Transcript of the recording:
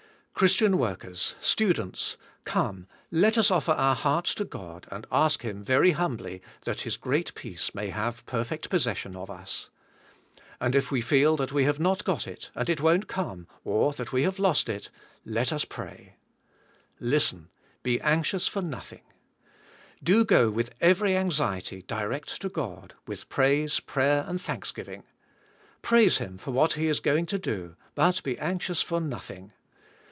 Christian work the; I.IFK OF re:st. 243 ers, students, come let us offer our hearts to God and ask Him very humbly, that His g reat peace may have perfect possession of us. And if we feel we have not g"ot it, and it won't come, or that we have lost it, let us pray. Listen, "Be anxious for noth ing*. " Do g"o with every anxiety, direct to God, with praise, prayer, and thank sg iving . Praise Him for what He is going to do, but be anxious for nothing".